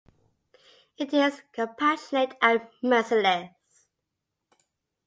It is compassionate and merciless.